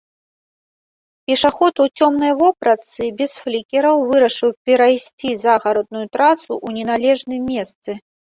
Пешаход у цёмнай вопратцы без флікераў вырашыў перайсці загарадную трасу ў неналежным месцы.